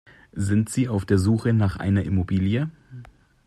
Sind Sie auf der Suche nach einer Immobilie?